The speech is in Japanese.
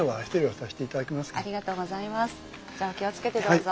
じゃお気を付けてどうぞ。